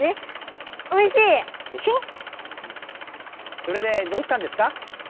それでどうしたんですか？